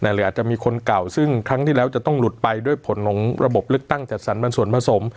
หรืออาจจะมีคนเก่าซึ่งครั้งที่แล้วจะต้องหลุดไปด้วยผลของระบบเลือกตั้งจัดสรรมันส่วนผสม